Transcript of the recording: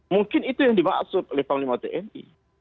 mungkin itu yang dimaksud oleh panglima tni